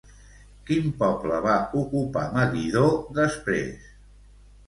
Quin poble va ocupar Meguidó després?